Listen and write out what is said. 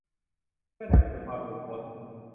เพื่อนำไปสู่ความหลุดพ้น